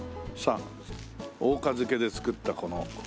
さあ桜花漬で作ったこの。